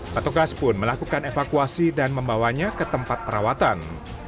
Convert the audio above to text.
petugas pun melakukan evakuasi dan membawanya ke tempat perawatan